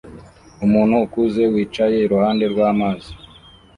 Umuntu ukuze wicaye iruhande rwamazi